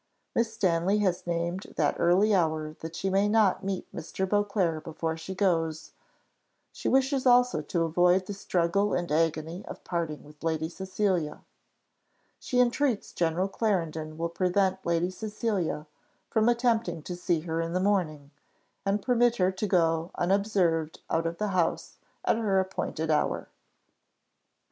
Miss Stanley has named that early hour, that she may not meet Mr. Beauclerc before she goes; she wishes also to avoid the struggle and agony of parting with Lady Cecilia. She entreats General Clarendon will prevent Lady Cecilia from attempting to see her in the morning, and permit her to go unobserved out of the house at her appointed hour.